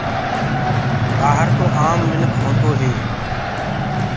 ٻآهر تو آم منک هي